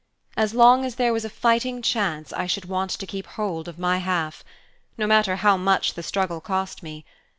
As long as there was a fighting chance I should want to keep hold of my half, no matter how much the struggle cost me.